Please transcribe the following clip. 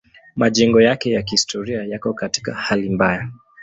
Majengo yake ya kihistoria yako katika hali mbaya.